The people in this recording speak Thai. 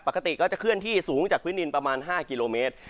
ปกติก็จะเคลื่อนที่สูงจากพื้นดินประมาณ๕กิโลเมตร